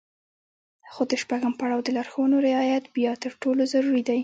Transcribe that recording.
خو د شپږم پړاو د لارښوونو رعايت بيا تر ټولو ضروري دی.